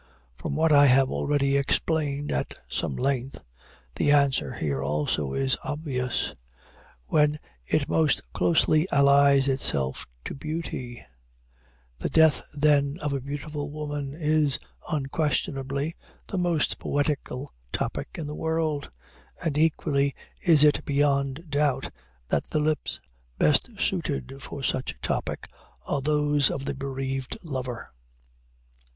From what I have already explained at some length, the answer, here also, is obvious "When it most closely allies itself to Beauty: the death, then, of a beautiful woman is, unquestionably, the most poetical topic in the world and equally is it beyond doubt that the lips best suited for such topic are those of a bereaved lover."